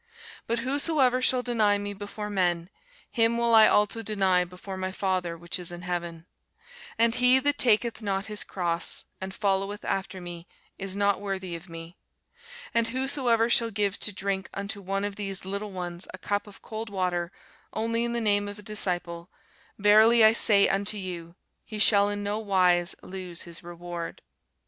But whosoever shall deny me before men, him will I also deny before my Father which is in heaven. And he that taketh not his cross, and followeth after me, is not worthy of me. And whosoever shall give to drink unto one of these little ones a cup of cold water only in the name of a disciple, verily I say unto you, he shall in no wise lose his reward.